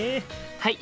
はい！